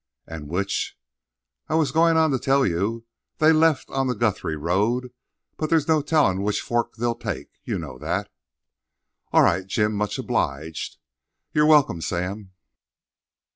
"And which—" "I was goin' on to tell you. They left on the Guthrie road; but there's no tellin' which forks they'll take—you know that." "All right, Jim; much obliged." "You're welcome, Sam."